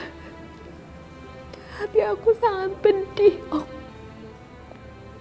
hati aku sangat pedih oma